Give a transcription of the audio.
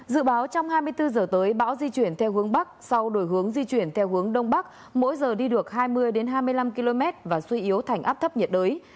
dự báo trong hai mươi bốn h tới bão di chuyển theo hướng bắc sau đổi hướng di chuyển theo hướng đông bắc mỗi giờ đi được hai mươi hai mươi năm km và suy yếu thành áp thấp nhiệt đới